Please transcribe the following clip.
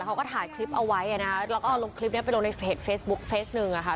คลิปเอาไว้นะแล้วก็เอาคลิปนี้ไปลงในเฟสบุ๊คเฟสหนึ่งอ่ะค่ะ